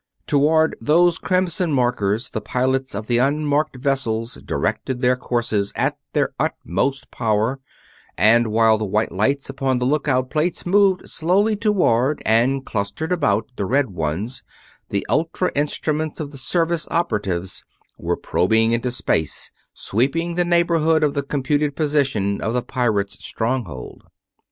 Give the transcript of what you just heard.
Toward those crimson markers the pilots of the unmarked vessels directed their courses at their utmost power; and while the white lights upon the lookout plates moved slowly toward and clustered about the red ones the ultra instruments of the Service operatives were probing into space, sweeping the neighborhood of the computed position of the pirate's stronghold.